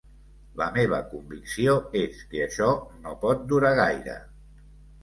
La meva convicció és que això no pot durar gaire.